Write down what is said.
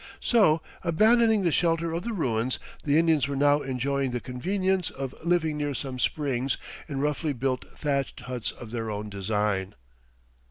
So, abandoning the shelter of the ruins, the Indians were now enjoying the convenience of living near some springs in roughly built thatched huts of their own design.